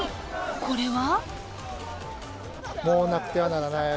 これは？